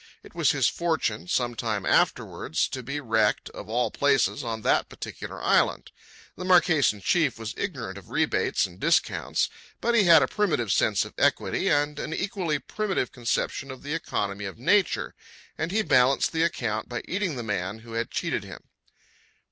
It was his fortune, some time afterwards, to be wrecked, of all places, on that particular island. The Marquesan chief was ignorant of rebates and discounts; but he had a primitive sense of equity and an equally primitive conception of the economy of nature, and he balanced the account by eating the man who had cheated him.